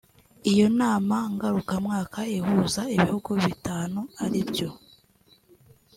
Iyo nama ngarukamwaka ihuza ibihugu bitanu ari byo